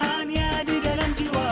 hanya di dalam jiwa